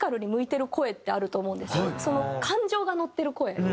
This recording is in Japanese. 感情が乗ってる声。